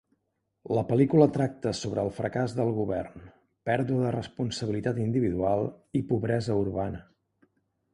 La pel·lícula tracta sobre el fracàs del govern; pèrdua de responsabilitat individual i pobresa urbana.